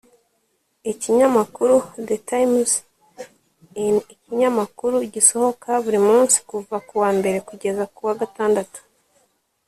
Ikinyamakuru The Times ni ikinyamakuru gisohoka buri munsi kuva kuwa Mbere kugeza kuwa gatandatu